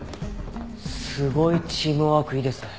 すごいチームワークいいですね